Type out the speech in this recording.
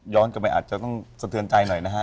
กลับไปอาจจะต้องสะเทือนใจหน่อยนะฮะ